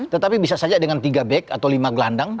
tetapi bisa saja dengan tiga back atau lima gelandang